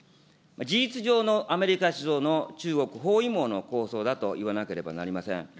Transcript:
事実上のアメリカ主導の中国包囲網の構想だと言わなければなりません。